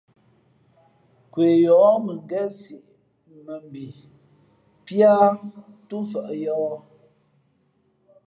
Nkwe yᾱᾱ mʉ̄ngén siʼ mά mbhi pí ǎ túmfαʼ yōh.